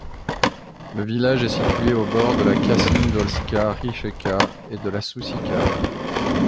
Le village est situé au bord de la Kasindolska rijeka et de la Sušica.